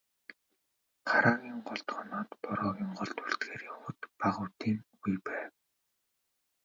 Хараагийн голд хоноод, Бороогийн голд үлдэхээр явахад бага үдийн үе байв.